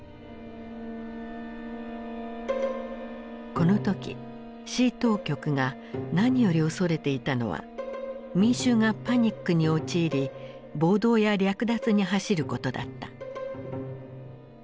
この時市当局が何より恐れていたのは民衆がパニックに陥り暴動や略奪に走ることだった。